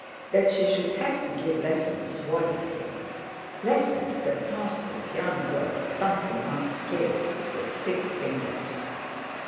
That she should have to give lessons worried him. Lessons to a parcel of young girls thumping out scales with their thick fingers.